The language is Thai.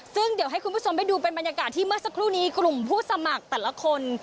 ซึ่งเดี๋ยวให้คุณผู้ชมได้ดูเป็นบรรยากาศที่เมื่อสักครู่นี้กลุ่มผู้สมัครแต่ละคน